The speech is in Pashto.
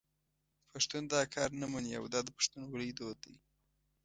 پښتون دا کار نه مني او دا د پښتونولي دود دی.